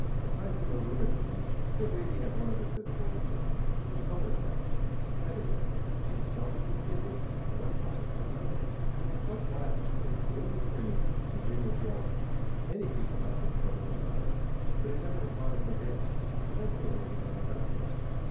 Aside from her rheumatism the good lady had one other physical weakness; she was color blind. That is, she could seldom distinguish one color from another, and was quite liable to think blue was green and green was yellow. Many people have this trouble with their eyes; but it never had bothered Madame especially in waiting upon her customers.